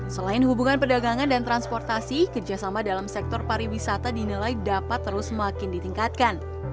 selain hubungan perdagangan dan transportasi kerjasama dalam sektor pariwisata dinilai dapat terus semakin ditingkatkan